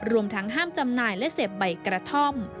รวมทั้งห้ามจำหน่ายและเสพใบกระท่อม